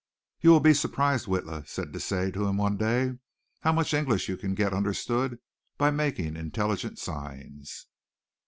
"You will be surprised, Witla," said Deesa to him one day, "how much English you can get understood by making intelligent signs."